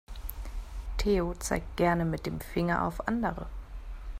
Theo zeigt gerne mit dem Finger auf andere.